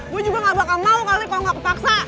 gue juga gak bakal mau kali kalo gak kepaksa